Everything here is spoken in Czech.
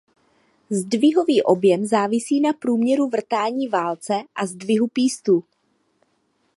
Zdvihový objem závisí na průměru vrtání válce a zdvihu pístu.